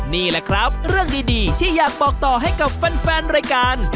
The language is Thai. นี่แหละครับเรื่องดีที่อยากบอกต่อให้กับแฟนรายการ